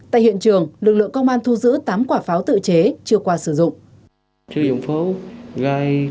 tại hiện trường lực lượng công an thu giữ tám quả pháo tự chế chưa qua sử dụng